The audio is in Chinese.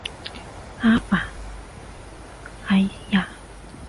阿法埃娅。